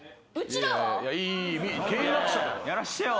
やらしてよ。